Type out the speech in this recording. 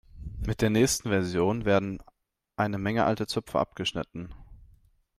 Mit der nächsten Version werden eine Menge alte Zöpfe abgeschnitten.